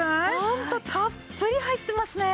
本当たっぷり入ってますね。